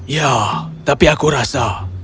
ya tapi aku rasa